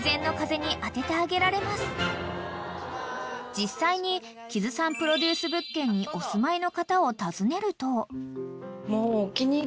［実際に木津さんプロデュース物件にお住まいの方を訪ねると］